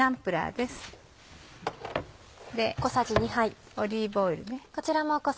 でオリーブオイル。